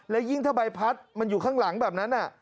และยิ่งถ้าใบพัดมันอยู่ข้างหลังแบบนั้น